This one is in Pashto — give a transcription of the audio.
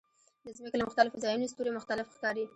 د ځمکې له مختلفو ځایونو ستوري مختلف ښکاري.